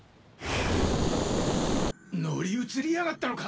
乗り移りやがったのか！